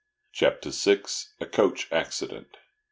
CHAPTER VI. A COACH ACCIDENT.